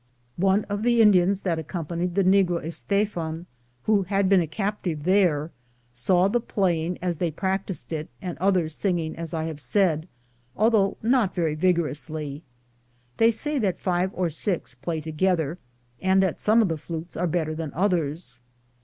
One of the Indians that accom panied the negro Esteban, who had been a captive there, saw the playing as they prac ticed it, and others singing as I have said, although not very vigorously. They say that five or six play together, and that some of the flutes are better than others.'